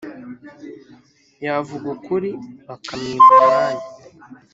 yavuga ukuri, bakamwima umwanya